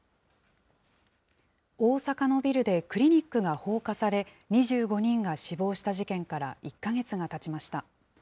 大阪のビルでクリニックが放火され、２５人が死亡した事件から１か月がたちました。